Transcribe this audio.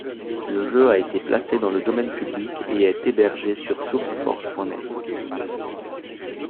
Le jeu a été placé dans le domaine public et est hébergé sur SourceForge.net.